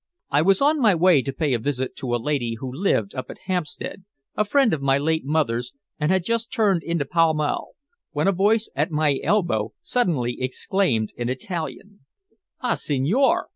I was on my way to pay a visit to a lady who lived up at Hampstead, a friend of my late mother's, and had just turned into Pall Mall, when a voice at my elbow suddenly exclaimed in Italian "Ah, signore!